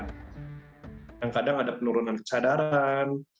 kadang kadang ada penurunan kesadaran